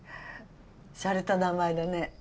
しゃれた名前だね。